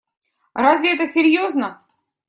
Разве это серьезно?